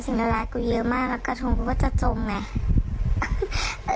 สิ่งเลวร้ายกูเยอะมากแล้วกระทงกูก็จะจงแหละ